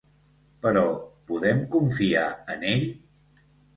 Però, podem confiar en ell?